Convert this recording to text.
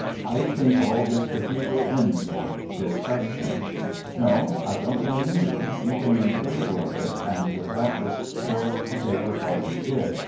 "I think all this Cathedral intrigue disgusting. No, I don't blame you. You came into the middle of it, and were doubtless forced to take the part you did.